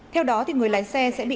theo đó thì người lái xe sẽ bị